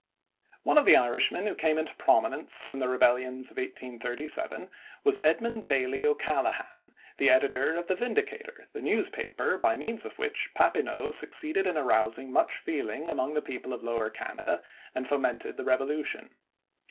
One of the Irishmen who came into prominence in the rebellions of 1837 was Edmund Bailey O'Callaghan, the editor of the Vindicator, the newspaper by means of which Papineau succeeded in arousing much feeling among the people of Lower Canada and fomented the Revdlution.